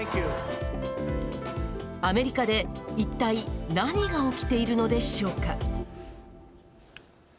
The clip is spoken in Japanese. アメリカで、いったい何が起きているのでしょうか。